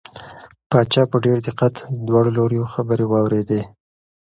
پاچا په ډېر دقت د دواړو لوریو خبرې واورېدې.